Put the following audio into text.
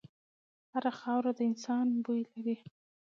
هره خاوره د انسان بوی لري.